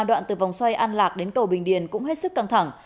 đoạn từ vòng xoay an lạc đến cầu bình điền cũng hết sức căng thẳng